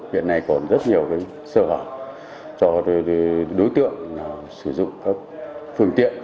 viện này còn rất nhiều sơ hỏi cho đối tượng sử dụng các phương tiện